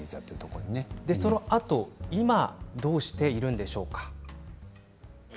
そのあとどうしているんでしょうか。